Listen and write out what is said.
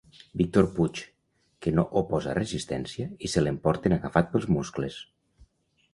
Víctor Puig, que no oposa resistència, i se l'emporten agafat pels muscles.